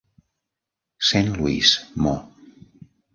Saint Louis, Mo